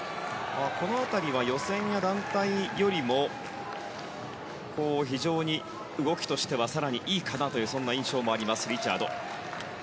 この辺りは予選や団体よりも非常に動きとしては更にいいかなという印象もありますリチャード。